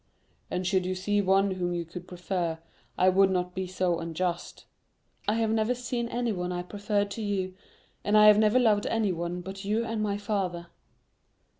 "And should you see one whom you could prefer, I would not be so unjust——" "I have never seen anyone I preferred to you, and I have never loved anyone but you and my father."